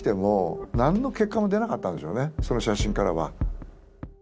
その写真からは。